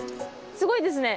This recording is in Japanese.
すごいですね。